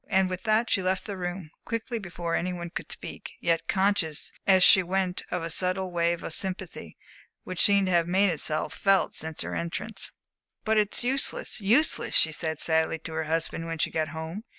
And with that she left the room quickly before any one could speak, yet conscious as she went of a subtle wave of sympathy, which seemed to have made itself felt since her entrance. "But it's useless useless," she said sadly to her husband when she got home.